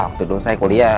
waktu dulu saya kuliah